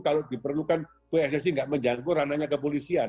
kalau diperlukan pssi nggak menjangkau ranahnya kepolisian